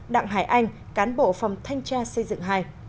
đặng hải anh cán bộ phòng thanh tra xây dựng hai